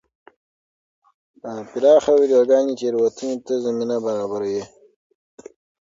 پراخه ویډیوګانې تېروتنې ته زمینه برابروي.